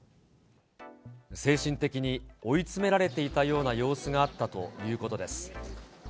精神的に追い詰められていたような様子があったということです。